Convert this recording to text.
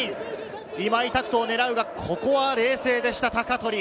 今井拓人を狙うが、ここは冷静でした、鷹取。